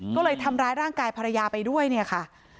ก็เลยทำร้ายร่างกายภรรยาไปด้วยเนี่ยค่ะ